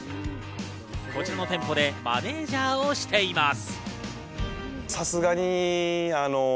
こちらの店舗でマネジャーをしています。